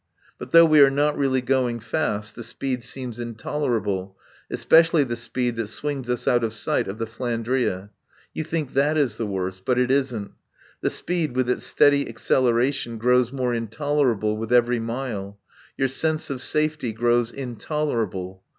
But though we are not really going fast, the speed seems intolerable, especially the speed that swings us out of sight of the "Flandria." You think that is the worst. But it isn't. The speed with its steady acceleration grows more intolerable with every mile. Your sense of safety grows intolerable.